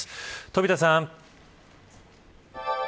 飛田さん。